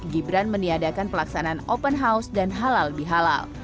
gibran meniadakan pelaksanaan open house dan halal bihalal